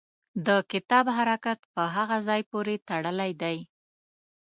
د کتاب حرکت په هغه ځای پورې تړلی دی.